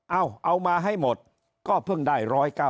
เอาเอามาให้หมดก็เพิ่งได้๑๙๐